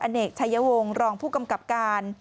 เนกชายวงศ์รองผู้กำกับการ